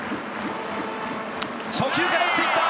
初球から打っていった！